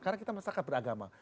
karena kita masyarakat beragama